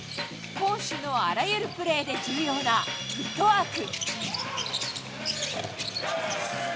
攻守のあらゆるプレーで重要なフットワーク。